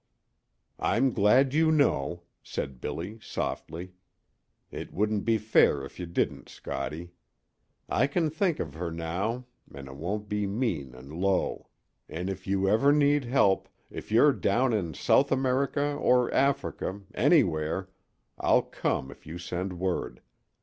"I'm glad you know," said Billy, softly. "It wouldn't be fair if you didn't, Scottie. I can think of her now, an' it won't be mean and low. And if you ever need help if you're down in South America or Africa anywhere I'll come if you send word.